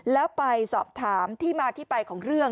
แล้วไปสอบถามที่มาที่ไปของเรื่อง